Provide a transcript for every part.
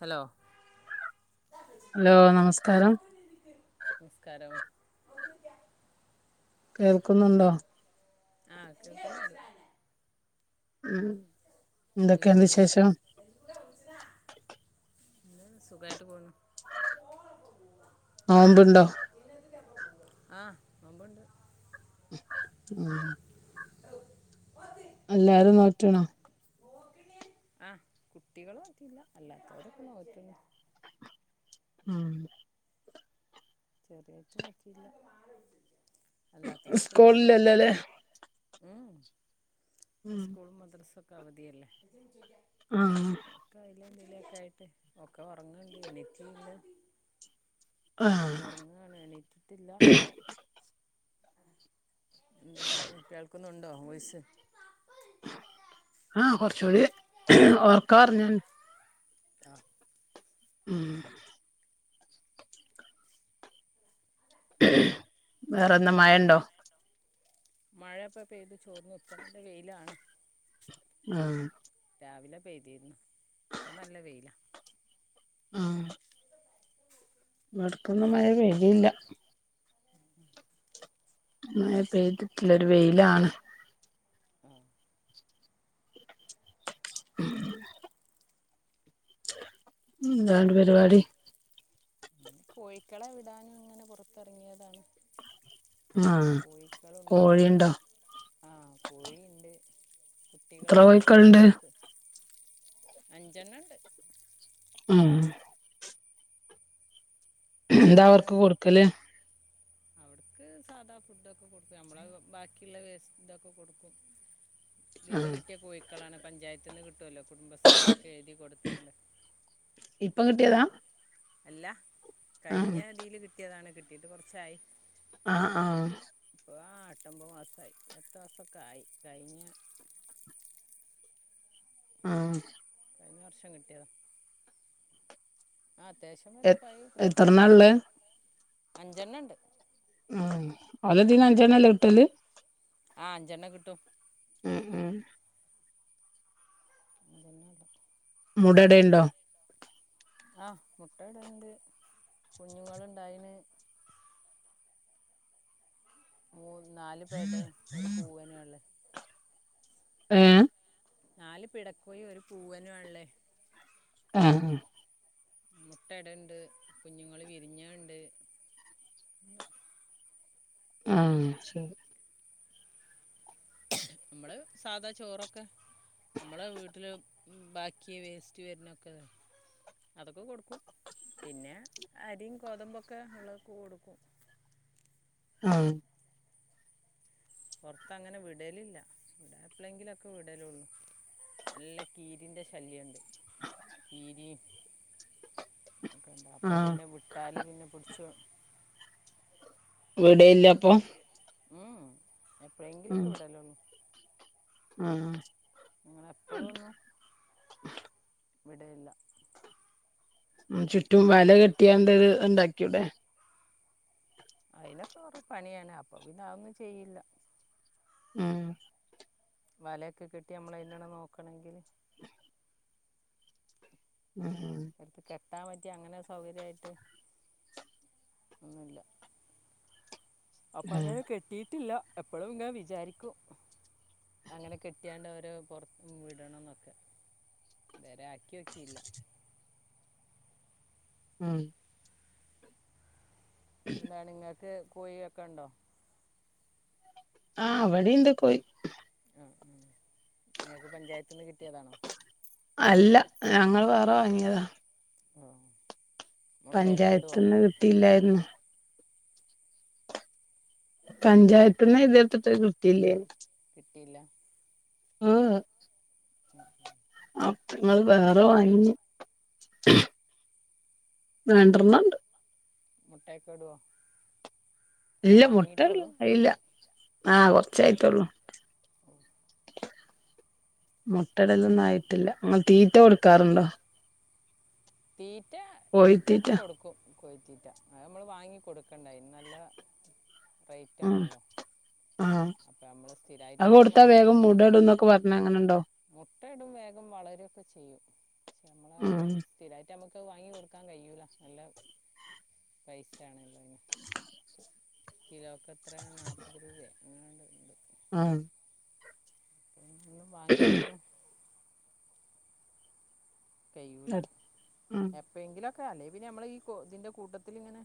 Hello hello നമസ്കാരം [unintelligible] കേൾക്കുന്നുണ്ടോ ആ കേൾക്കുന്നുണ്ട് ഉം. എന്തൊക്കെയാണ് വിശേഷം സുഖായിട്ട് പോന്നു നോമ്പുണ്ടോ ആ നോമ്പുണ്ട് ഉം എല്ലാരു നോറ്റു ണേ ആഹ കുട്ടികൾ നോക്കില്ല അല്ലാത്തോരൊക്കെ നോറ്റുണ് ഉം [unintelligible] അല്ലാത്തവരൊക്കെ നോറ്റുന്നു സ്കൂളിലല്ലേ ഉം സ്കൂൾ മദ്രസൊക്കെ അവധിയല്ലേ ആഹ എന്തല ഒക്കെ ആയിട്ട് ഒക്കെ ഉറങ്ങണ്ട് എണിറ്റ് ഇല്ല ആഹ് ഉറങ്ങാണ് എണീറ്റിട്ടില്ല എന്താ കേൾക്കുന്നുണ്ടോ വയ്സ് ആഹ കുറച്ചുകൂടി ഓർക്കാ പറഞ്ഞാ ആ ഉം വേറെന്താ മഴണ്ടോ മഴപ്പോ പെയ്തു ചോർന്ന് ഇപ്പൊ നല്ല വെയിലാണ് ആഹ രാവിലെ പെയ്തിരുന്നു ഇപ്പോൾ നല്ല വെയില ആഹ ഇവട് ക്കൊന്നും മഴ പെതില്ല അപ്പെയ്തിട്ടില്ല ഒരു വെയിലാണ് ആ ഉ എന്താണ് പരിപാടി കിള വിടാനും ഇങ്ങനെ പുറത്തിറങ്ങിയതാണ് ആഹ് കോഴിക്കളുണ്ട് കോഴിണ്ടോ കോഴിക്കു ആഹ കോഴിുണ്ട് എത്ര കുട്ടികളുണ്ട് കോഴിക്കള്ണ്ട് അവർക്ക് അഞ്ചെണ്ണണ്ട് ആഹ എന്താ ഇവിടെ അവർക്ക് കൊടുക്കല് [inaudible] ക്ക് സാധാ ഫുഡൊക്കെ കൊടുക്കും നമ്മള ബാക്കിയുള്ള വേസ്റ്റ് ഇതൊക്കെ കൊടുക്കും ആഹ് കിട്ടിയാ കോയിക്ക് ക്കളാണ് പഞ്ചായത്തിനിന്ന് കിട്ടുമല്ലോ കുടുംബശ്രീയിലൊക്കെ എഴുതി കൊടുത്താണ്ട്. അപ്പം കിട്ടിയതാ അല്ല കഴിഞ്ഞ ആഹ് തിൽ കിട്ടിയതാണ് കിട്ടിയട്ട് കുറച്ചായി ആഹ ആഹ ആട്ടമ്പത് മാസയി പത്ത മാസൊക്കെ ആയി കഴിഞ്ഞ ആഹ കഴിഞ്ഞ വർഷം കിട്ടിയത ആ അത്യാവ്യം എ വലപ്പമായി എത്രണ്ണാള്ളെ മുട്ടക്കടുണ്ട് അഞ്ചെണ്ണ ഉണ്ട് ഓല ദീന് അഞ്ചെണ്ണല്ലേ കിട്ടല് ആഹ് അഞ്ചെണ്ണ കിട്ടും ഉം ഉ അതെന്നട്ടാ മുടടേണ്ടോ ആഹ് മുട്ട ഇടണ്ട് കുഞ്ഞുങ്ങള ഇണ്ടായിന് മൂ നാലു പേടെ ഒരു പൂവേന ഉള്ളത് ഉം... നാല് പിടക്കോയി ഒരു പൂവനും ആഹ് ഇള്ളേ ആഹ് ആഹ് മുട്ട ഇടുണ്ട് കുഞ്ഞുങ്ങള് വിരിഞ്ഞണ്ട് ആഹ് ശരി നമ്മള സാധാ ചോറൊക്കെ നമ്മളെ വീട്ടില് ബാക്കി വേസ്റ്റ് വരുന്നൊക്കെ അതൊക്കെ കൊടുക്കും പിന്നെ അരിയും ഗോതമ്പൊക്കെ ഇള്ളത് കൊടുക്കും ആഹ് പുറത്തങ്ങനെ വിടലില്ല ഇവിടെ എപ്പളെങ്കിലുക്കെ വിടലുള്ളു നല്ല കീരിന്റെ ശല്യം ഇണ്ട് കീരി അപ്പൊ ആഹ് പിന്നെ വിട്ടാലും പിന്നെ പിടിച്ചു വിടീല്ല അപ്പൊ ഉം എപ്പളേങ്കിലുക്കെ വിടലുള്ളു മ് അങ്ങനെ എപ്പഴും ഒന്നും വിടലില്ല ഉം ചുറ്റും വല കെട്ടിയാണ്ടത് ഇത് ഇണ്ടാക്കിക്കൂടെ അയിനൊക്കെ കൊറേ പണിയാണ് അപ്പൊ പിന്ന അതൊന്നും ചെയ്യില്ല മ് വലയൊക്കെ കിട്ടി നമ്മളയിനെ നോക്കണെങ്കില് ഉം ഉം എടുത്ത് കെട്ടാൻ പറ്റിയ അങ്ങനെ സൗകര്യായിട്ട് ഒന്നുല്ല അപ്പൊ ആഹ് അങ്ങനെ കെട്ടിയിട്ടില്ല എപ്പഴും ഇങ്ങനെ വിചാരിക്കും അങ്ങനെ കെട്ടിയാണ്ട് ഓരോ പുറത്ത്ന്ന് വിടണന്നൊക്കെ ഇത് വരെ ആക്യോക്കീല്ല. ആഹ് എന്താണ് ഇങ്ങക്ക് കോഴിയൊക്കെയുണ്ടോ? ആഹ് വടിണ്ട് കോഴ് നിങ്ങൾക്ക് പഞ്ചായത്ത്ന്ന് കിട്ടിയതാണോ? അല്ല. ഞങ്ങൾ വേറെ വാങ്ങിയതാ. ആഹ് പഞ്ചായത്തിന്ന് കിട്ടിയില്ലായിരുന്നു. പഞ്ചായത്തിന്ന് എഴുതി കൊടുതിട്ട് കിട്ടില്ലേനു ഇല്ല [unintelligible] ഉം അപ്പൊങ്ങള് വേറെ വാങ്ങി. രണ്ട്രണ്ണണ്ട്. മുട്ടയെക്കെ ഇടോ? ഇല്ല മുട്ടടൽ അയില്ല. ആഹ് കൊർച്ചായിട്ടൊള്ളൂ. മുട്ടടലൊന്നും ആയിട്ടില്ല. ഇങ്ങൾ തീറ്റ കൊടുക്കാറുണ്ടോ? തീറ്റ കോഴിത്തീറ്റ എടക്കൊക്കെ കൊടുക്കും. കോഴിതീ റ്റ. അഹ് നമ്മള് വാങ്ങി കൊടുക്കണ്ട അയിന് നല്ല റെയ്റ്റ് ഉം ആണല്ലോ. ആഹ്. അപ്പോൾ നമ്മൾ സ്ഥിരമായിട്ട് അഹ് ഇങ്ങനെ കൊടുത്താ വാങ്ങി വേഗം കൊടുത്ത് മുടടുന്നൊക്കെ പറഞ്ഞ അങ്ങനെണ്ടോ? മുട്ടയിടും വേഗം വളരൊക്കെ ചെയ്യും. പക്ഷെ നമ്മളാ ഹ് ഉം സ്ഥിരായിട്ട് നമുക് പ്പ വാങ്ങി കൊടുക്കാൻ കഴൂല നല്ല പൈസ ആണല്ലോ അയ്ന് കിലോക്ക്‌ എത്ര നാപ്പത് രൂപേ അങ്ങനണ്ട് ആ ന്ന് വാങ്ങിയല്ലോ ഒന്ന് കഴിയൂല ഉം എപ്പെയേങ്കിലൊ ക്ക അല്ലെങ്കി പിന്നെ നമ്മളെ ഈ ഇതിൻ്റെ കൂട്ടത്തിലിങ്ങനെ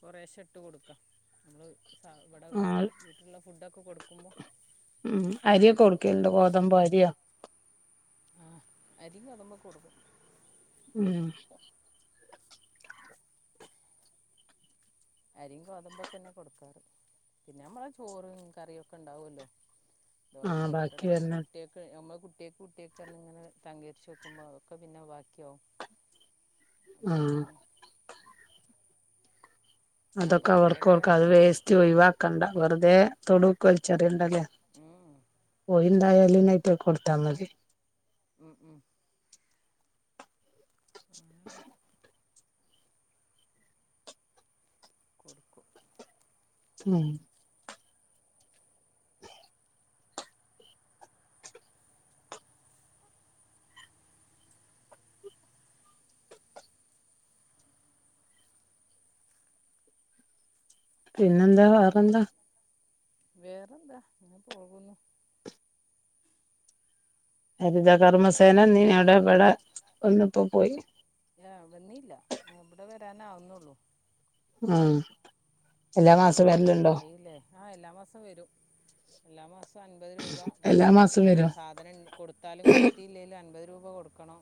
കുറേശെ ഇട്ട് കൊടുക്കാ നമ്മള് സ ഇവിടെ ആഹ് വീട്ട്ല്ള്ള ഫുഡൊക്കെ കൊടുക്കുമ്പോ ഉം അരിയൊക്കെ കൊടുക്കൽ ഇണ്ടോ ഗോതമ്പോ അരിയോ ആ അരിം ഗോതമ്പും ഒക്കെ കൊടുക്കും ഉം അരിയും ഗോതമ്പൊക്കെന്നെ കൊടുക്കാറ് പിന്നെ നമ്മളെ ചോറും കറിയും ഒക്കെ ഇണ്ടാവോല്ലോ ആഹ് ദോശയും ഓട്ടടിം ബാക്കി ഒക്കെ വരുന്ന കുട്ട്യാക്ക് നമ്മളെ കു കുട്ട്യാക്ക് കുട്ട്യാക്ക് ർന്ങ്ങനെ തങ്കര്ച്ച് വെക്കുമ്പോ അഹ്ക്കെ പിന്നെ ബാക്കി ആവും അപ്പ ആഹ് പിന്നെ അപ്പം അതൊക്കെ അങ്ങനെയൊക്കെ അവർക്കൊട്ക അത് വേസ്റ്റ് ഒഴിവാക്കണ്ട വെറുതെ തൊടൂ കൾച്ചർണ്ടലെ ഉം, ഓയിന്ദായല് [unintelligible] കൊടുത്താ മതി ഉം ഉം [inaudible] കൊടുക്കും ഉം പിന്നെന്താ വേറെന്താ വേറെന്താ ഇങ്ങനെ പോകുന്നു [unintelligible] കർമ്മസേന വന്നീനോ അവ്ടെ ഇബടെ വന്ന്പ്പോ പോയി ത്താനാവുന്നോള്ളൂ ആഹ് എല്ലാ ആ മാസവും വരലുണ്ടോ മുപ്പാന്തിക്കായില്ലേ എല്ലാമാസം വരും എല്ലാ മാസം അൻപത് രൂപ എല്ലാ കൊടുക്കണം മാസവും വരോ ഞമ്മള് സാധനം കൊടുത്താലും കൊടുത്തില്ലെങ്കിലും അൻപത് [unintelligible] രൂപ കൊട്ക്കണം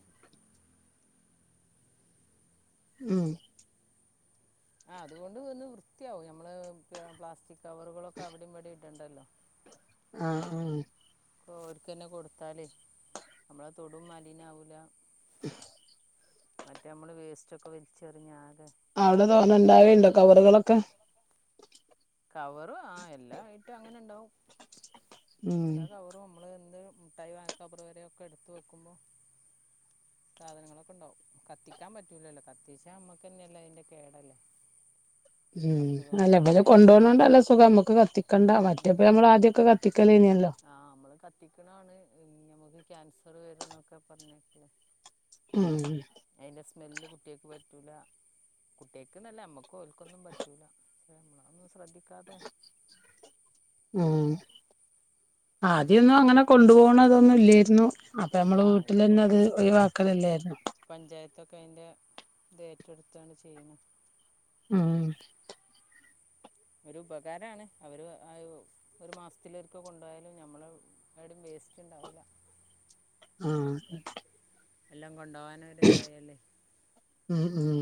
ഉം ആ അതുകൊണ്ട് ഒന്ന് വൃത്തിയാവും നമ്മള് പ്ലാസ്റ്റിക് കവറുകളൊക്കെ അവിടിം ഇവടിം ഇട്ടണ്ടല്ലോ ആ ഓൽക്കന്നെ കൊടുത്താല് നമ്മളെ തൊടും മലിന ആവൂല മറ്റേ നമ്മള് വേസ്റ്റ് ഒക്കെ വേലിച്ചെറിഞ്ഞാകെ അവിടെ തോനെ ഇണ്ടാവൽണ്ടോ കവറുകളൊക്കെ കവറ് ആ എല്ലാആയിട്ട് അങ്ങനെ ഇണ്ടാവും ഉം എല്ലാ കവറും നമ്മള്ന്നേ ന്ത് മുട്ടായി കവറ് വരെ ഒക്കെ എടുത്ത് വെക്കുമ്പോ സാധനങ്ങളൊക്കെണ്ടോ കത്തിക്കാൻ പറ്റൂലല്ലോ കത്തിച്ചാ ഞമ്മക്കന്നല്ലേ അയ്ന്റെ കേടല്ലേ അസുഖം ഉം അല്ല വരണ ഇബല് കൊണ്ട് ക്യാൻസർ കൊണ്ടോന്നോണ്ട് നല്ല സുഖാ നമ്മക്ക് കത്തിക്കണ്ട മറ്റേപ്പം ഉം നമ്മള് ആദ്യൊക്കെ കത്തിക്കലേന്യലൊ [inaudible] ആ നമ്മള് കത്തിക്കണാണ് നമുക്ക് ക്യാൻസർ വരുംന്നൊക്കെ പറഞ്ഞ് [unintelligible] ആ സ്മെല്ല് കുട്ട്യാക്ക് പറ്റൂല കുട്ട്യാക്ക് നല്ല ഞമ്മക്കും ഓൽക്കൊന്നും പറ്റൂല [unintelligible] ഒന്നും ശ്രദ്ധിക്കാതെ ഉം ആദ്യൊന്നും അങ്ങനെ കൊണ്ടു പോന് ന്ന് അതൊന്നും ഇല്ലേയിരുന്നു അപ്പ നമ്മള് ആ വീട്ടിലെന്നെ അത് ഇപ്പോഴാണ് ഒഴിവക്കലല്ലായിരുന്നോ ഇതൊക്കെ അയ്ന്റെ ഇത് ഏറ്റെടുത്താണ്ട് ചെയ്യ്ണ ഉം ഒരു ഉപകാരാണ് അവര് ആ ഒരു മാസത്തിലൊരിക്കെ കൊണ്ടായാലും ഞമ്മള് [unintelligible] സ്റ്റ് ണ്ടാവൂല ആഹ് എല്ലം കൊണ്ടാവാനൊര് ഇതായാലെ ഉം ഉം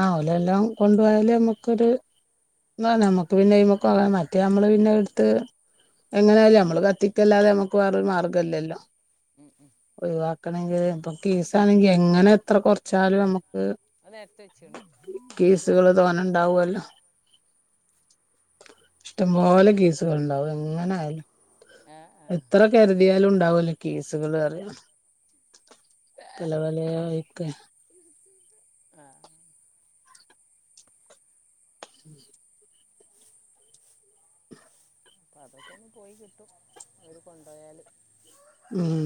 ആഹ് ഓലെല്ലം കൊണ്ടുപോയല് നമ്മക്കൊര് ന്നാ നമുക്ക് പിന്നെ അയ്മക്കോകാൻ മര് മറ്റേ നമ്മള് പിന്നെ എടുത്ത് എങ്ങനെയല്ല നമ്മള് കത്തിക്കല്ലാതെ നമ്മുക്ക് വേറൊരു മാർഗമല്ലല്ലോ ഉം ഉം ക്കണങ്കി പ്പ കീസ ആണെങ്കി എങ്ങനെ എത്ര കൊറച്ചാലും നമ്മുക്ക് അത് നേരത്തെ വെച്ചാണ് എ കീസുകൾ തോന ണ്ടാവുല്ലോ ഇഷ്ടംപോലെ കീസുകൾണ്ടാവും എങ്ങനെ ആയാലും ആ ആ എത്ര കരുതിയാലും ഉണ്ടാവല്ലോ കീസുകൾ അറിയ പല വല വൈക്കെ ആഹ് ഉം അതൊക്കെ ഒന്ന് പോയി കിട്ടും അവര് കൊണ്ടുപോയാല് ഉം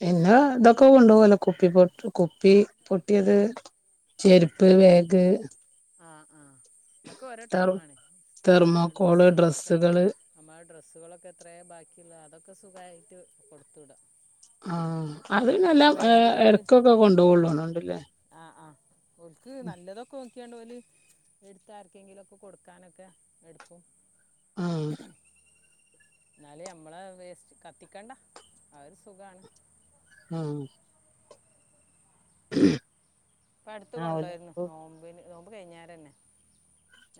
പിന്നെ ഇതൊക്കെ കൊണ്ടോവല്ലോ കുപ്പി പൊട്ട കുപ്പി പൊട്ടിയത് ചെരുപ്പ് വേഗ് ആഹ് ആഹ് അഒക്കെ ഓരോ ടൈമാണ് [unintelligible] തെർമോക്കോള് ഡ്രസ്സുകളൊക്കെ ഡ്രെസ്സുകള് നമ്മ ഡ്രസ്സുകളൊക്കെ എത്രേ ബാക്കിള്ള അതൊക്കെ സുഖായിട്ട് കൊടുത്തുവിട ആഹ് അത് ന്നെല്ലാം ഓല് ഇടക്കൊക്കെ കൊണ്ടപോവോള്ളോന്ന്ണ്ട്ല്ലേ ഒക്ക് നല്ലതൊകൊൽക് ത്യണ്ടോല് എടുത് ആർക്കെങ്കിലൊക്കെ കൊടുക്കാനൊക്കെ എടുക്കും ആ എന്നാല മ്മളെ വേസ്റ്റ് കത്തിക്കണ്ട അഒര് സുഖാണ് ആഹ് ഉ ഇപ്പ അടുത്ത കൊണ്ടോയിരുന്നു നോമ്പിന് നോമ്പ് കഴിഞ്ഞേരന്നെ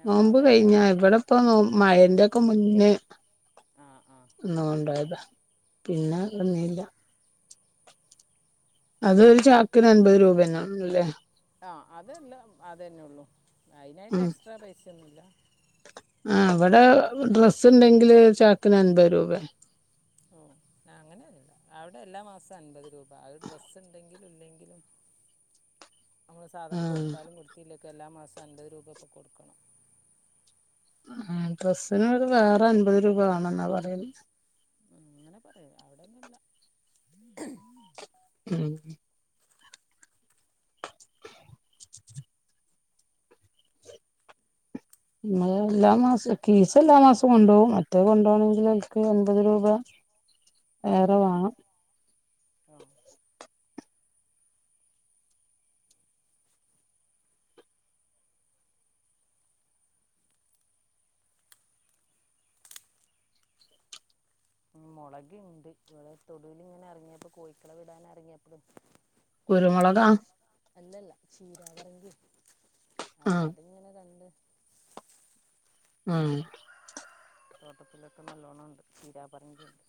നോമ്പ് കഴിഞ്ഞ ഇവിടെപ്പ നോ മഴന്റെയൊക്കെ മുന്നേ ആഹ് ആഹ് ന്ന്ഒണ്ടോയതാ പിന്നെ വന്നില്ല അതൊരു ചാക്കിന് അൻപത് രൂപന്നല്ലേ ആ അതെല്ലാം അതെന്നെ ഉള്ളൂ അയിനായിട്ട് ഉം എക്സ്ട്രാ പൈസൊന്നുല്ല ആ അവിടെ ഡ്രസ്സ് ണ്ടെങ്കില് ചാക്കിന് അൻപത് രൂപയ ഓ ഞാ അങ്ങനെല്ല അവിടെ എല്ലാ മാസവും അൻപത് രൂപ ആ ഒരു ഡ്രസ്സ് ണ്ടെങ്കിൽ ല്ലെങ്കിലും നമ്മള് സധനം ആ കൊടുത്താലും കൊടുത്തില്ലെക് എല്ലാമാസ് അൻപത് രൂപ ഇപ്പം കൊടുക്കണം ആ ഡ്രസ്സിന് ഒരു വേറെ അൻപത് രൂപ വണെന്നാ പറയല് ഉ അങ്ങനെ പറയാ അവിടെൊന്നുംല്ല ഉം മ്മളെ എല്ലാ മാസം കീസ് എല്ലാ മാസം കൊണ്ടോവും മറ്റേ കൊണ്ടോണെങ്കിൽ ഓൽക്ക് ൻപത് രൂപ ഉം, വേറെ ഉം. വേണം ഓ ഉ മുളകുണ്ട് ഇവിടെ തൊടുലിങ്ങനെ ഇറങ്ങിയപ്പോ കോയ്ക്കള വിടാൻ ഇറങ്ങിയപ്പ കുരുമുളകാ ചീര പറങ്കി ആ അപ്പൊ അതിങ്ങനെ കണ്ട് ആഹ് തോട്ടത്തിലൊക്കെ നല്ലോണം ഉണ്ട് ച്ചീരാ പറങ്കിണ്ട്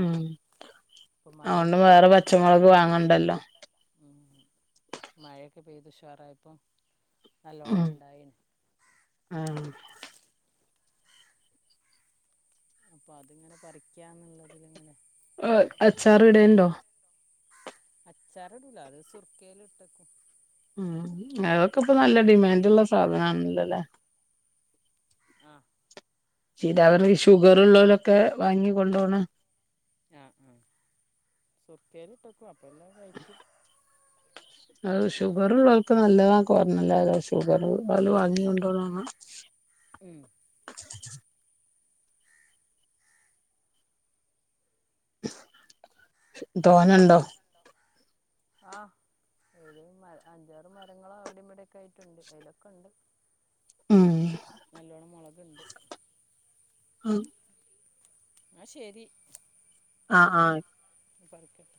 ഉം ഇപ്പം അഓണ്ട് മഴയൊക്കെ വേറെ പച്ചമുളക് വാങ്ങണ്ടല്ലോ ഉ മഴയൊക്കെ പെയ്തുുഷാറായപ്പം നല്ലോണം ഉം ണ്ടായിന് ആ അപ്പൊ അതിങ്ങനെ പറിക്കാന്നുള്ളതിലങ്ങനെ അച്ചാർ ഇടെണ്ടോ അച്ചാറടൂല അത് സുർക്കയില ഇട്ടക്കും ഉം അതൊക്കെ ഇപ്പൊ നല്ല ഡിമാൻഡ് ള്ള സാധന ആണല്ലോല്ലെ ആ ചീര അത് പർങ്കി ഷുഗർള്ളോലൊക്കെ വാങ്ങി കൊണ്ടോണെ ആഹ് ആ സുർക്കേൽ ഇട്ടക്കും അപ്പ ന്നെ കഴിക്കും അത് കുട്ടികൾക്കൊക്കെ ഷുഗർള്ളോൽക്ക് നല്ലതാക്കെ പർഞ്ഞല്ലോ ഷുഗർ അല് വാങ്ങി കൊണ്ടോന്ന ഉം [inaudible] തോന്നുണ്ടോ ആഹ് ഏത് മ അഞ്ചാറ് മരങ്ങളോ അവിടെ ഇവിടെൊക്കെ ആയിട്ടുണ്ട് അതിലൊക്കെ ഉണ്ട് ഉം പിണ്ട് ആഹ [unintelligible] ആ ശരി ആഹ് ആഹ ആയിക്ക ബർക്കട്ട